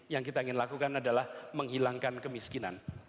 yang kita ingin lakukan adalah menghilangkan kemiskinan